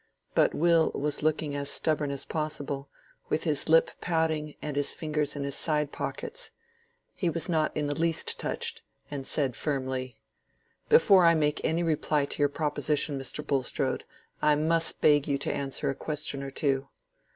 But Will was looking as stubborn as possible, with his lip pouting and his fingers in his side pockets. He was not in the least touched, and said firmly,— "Before I make any reply to your proposition, Mr. Bulstrode, I must beg you to answer a question or two.